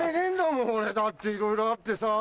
俺だっていろいろあってさぁ。